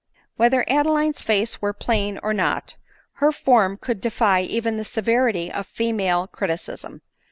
Whether Adeline's face were plain or not, her form could defy even the severity of female criticism.